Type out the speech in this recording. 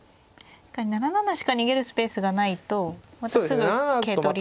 ７七しか逃げるスペースがないとまたすぐ桂取りに。